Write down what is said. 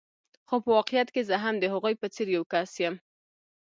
خو په واقعیت کې زه هم د هغوی په څېر یو کس یم.